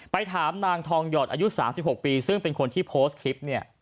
ถามนางทองหยอดอายุ๓๖ปีซึ่งเป็นคนที่โพสต์คลิปเนี่ย